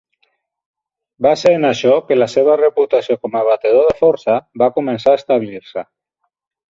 Va ser en això que la seva reputació com a batedor de força va començar a establir-se.